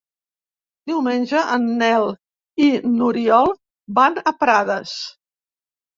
Diumenge en Nel i n'Oriol van a Prades.